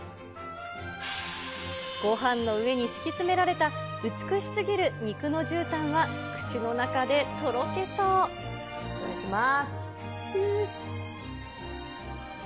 ごはんの上に敷き詰められた美しすぎる肉のじゅうたんは口の中でいただきます。